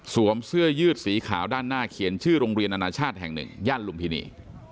เสื้อยืดสีขาวด้านหน้าเขียนชื่อโรงเรียนอนาชาติแห่งหนึ่งย่านลุมพินี